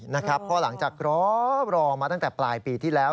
เพราะหลังจากรอมาตั้งแต่ปลายปีที่แล้ว